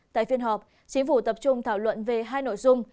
tại phiên họp chính phủ tập trung thảo luận về hai nội dung